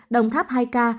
đồng tháp hai ca